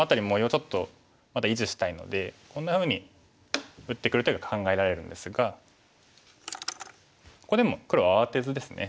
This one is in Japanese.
ちょっとまだ維持したいのでこんなふうに打ってくる手が考えられるんですがここでも黒は慌てずですね